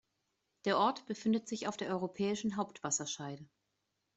Der Ort befindet sich auf der Europäischen Hauptwasserscheide.